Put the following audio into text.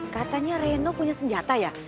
katanya reno punya senjata ya